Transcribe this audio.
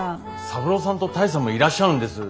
三郎さんと多江さんもいらっしゃるんです。